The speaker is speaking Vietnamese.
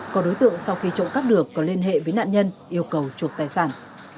có đối tượng sau khi trộm khắp được có liên hệ với nạn nhân yêu cầu chuộc tài sản